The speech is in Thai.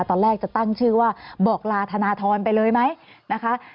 ตอนแรกจะตั้งชื่อว่าบอกลาธนทรไปเลยไหมนะคะ